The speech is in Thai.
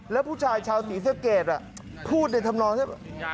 แล้วผู้ชายชาวศรีษะเกรดพูดในธรรมดา